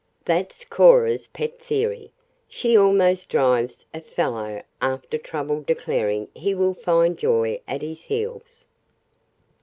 That's Cora's pet theory. She almost drives a fellow after trouble declaring he will find joy at his heels."